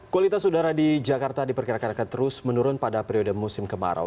kualitas udara di jakarta diperkirakan akan terus menurun pada periode musim kemarau